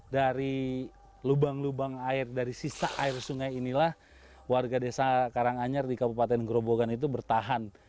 dari lubang lubang air dari sisa air sungai inilah warga desa karanganyar di kabupaten gerobogan itu bertahan